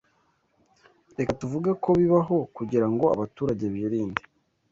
Reka tuvuge ko bibaho kugirango abaturage birinde